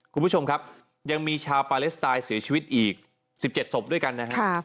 คุณผู้ชมครับยังมีชาวปาเลสไตน์เสียชีวิตอีก๑๗ศพด้วยกันนะครับ